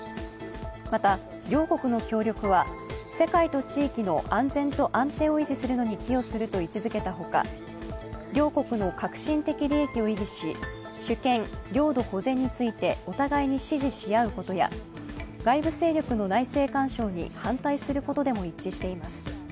また両国の協力は、世界と地域の安全と安定を維持するのに寄与すると位置づけたほか、両国の革新的利益を維持し、主権、領土保全についてお互いに支持し合うことや外部勢力の内政干渉に反対することでも一致しています。